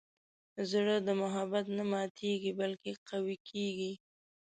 زړه د محبت نه ماتیږي، بلکې قوي کېږي.